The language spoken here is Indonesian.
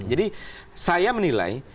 jadi saya menilai